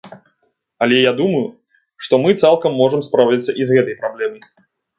Але я думаю, што мы цалкам можам справіцца і з гэтай праблемай.